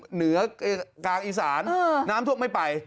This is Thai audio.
เหนือกลางอีสานน้ำท่วมไม่ไป